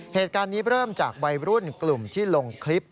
เหตุการณ์นี้เริ่มจากวัยรุ่นกลุ่มที่ลงคลิป